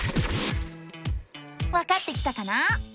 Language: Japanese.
わかってきたかな？